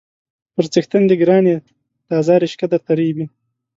_پر څښتن دې ګران يې، تازه رشقه درته رېبي.